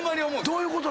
どういうこと？